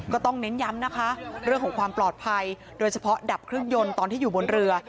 ก็ต้องเน้นย้ำนะคะเรื่องของความปลอดภัยโดยเฉพาะดับเครื่องยนต์ตอนที่อยู่บนเรือ